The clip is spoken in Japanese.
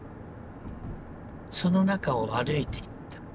その中を歩いていった。